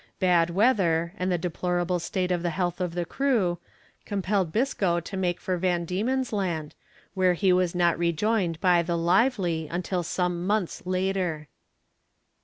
Bad weather, and the deplorable state of the health of the crew, compelled Biscoe to make for Van Diemen's Land, where he was not rejoined by the Lively until some months later.